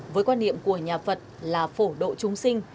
với quan niệm của nhà phật là phổ độ chúng sinh